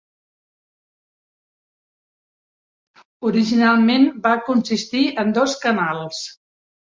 Originalment va consistir en dos canals.